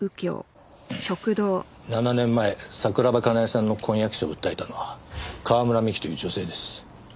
７年前桜庭かなえさんの婚約者を訴えたのは川村美樹という女性です。